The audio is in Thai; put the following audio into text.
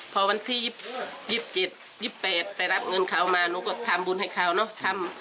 พอวันที่๒๗๒๘ไปรับเงินเขามาหนูก็ทำบุญให้เขาเนอะ